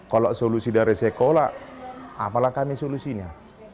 kalau solusi dari sekolah apalah kami solusinya